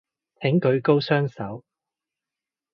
請舉高雙手